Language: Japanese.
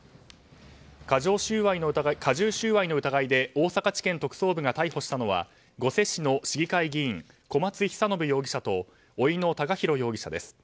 加重収賄の疑いで大阪地検特捜部が逮捕したのは御所市の市議会議員小松久展容疑者とおいの隆浩容疑者です。